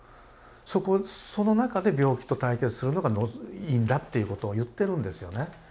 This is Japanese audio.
その中で病気と対決するのがいいんだっていうことを言ってるんですよね。